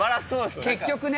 結局ね。